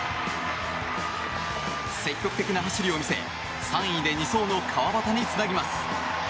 積極的な走りを見せ３位で２走の川端につなぎます。